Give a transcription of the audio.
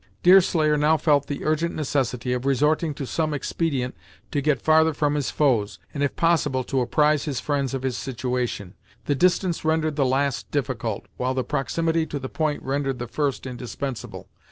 Deerslayer now felt the urgent necessity of resorting to some expedient to get farther from his foes, and if possible to apprise his friends of his situation. The distance rendered the last difficult, while the proximity to the point rendered the first indispensable.